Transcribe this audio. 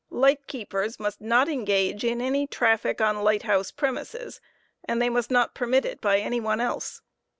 Light keepers must not engage in any traffic on lighthouse premises, and they den. 8 or must not permit it by any one else.